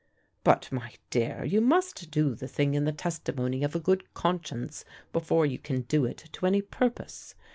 "But, my dear, you must do the thing in the testimony of a good conscience before you can do it to any purpose.